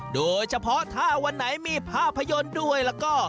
โดยเฉพาะถ้าวันไหนมีภาพยนตร์ด้วยแล้วก็